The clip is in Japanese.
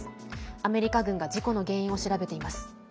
アメリカ軍が事故の原因を調べています。